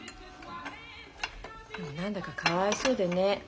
でも何だかかわいそうでね。